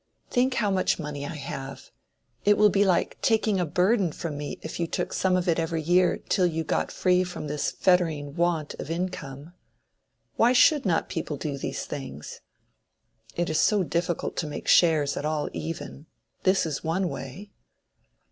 Think how much money I have; it would be like taking a burthen from me if you took some of it every year till you got free from this fettering want of income. Why should not people do these things? It is so difficult to make shares at all even. This is one way."